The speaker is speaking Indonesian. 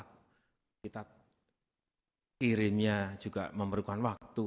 kita irimnya juga memerlukan waktu